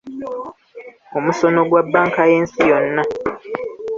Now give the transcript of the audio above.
omusono gwa bbanka y’ensi yonna